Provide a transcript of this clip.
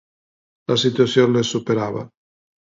La situació les superava.